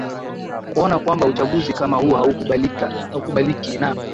kuona kwamba uchaguzi kama huu haukubaliki na